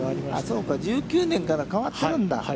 そうか、１９年から変わっているんだ。